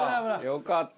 よかった。